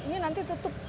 ini nanti tutup